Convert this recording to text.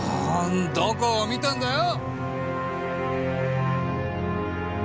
どこを見たんだよ！？